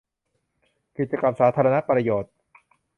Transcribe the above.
กิจกรรมสาธารณประโยชน์